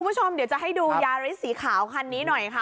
คุณผู้ชมเดี๋ยวจะให้ดูยาริสสีขาวคันนี้หน่อยค่ะ